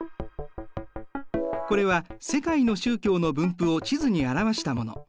これは世界の宗教の分布を地図に表したもの。